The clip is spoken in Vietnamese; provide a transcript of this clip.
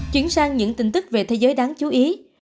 chuyển sang những tin tức về thế giới đáng chú ý